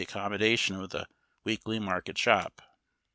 267 modation of the weekly market sloop.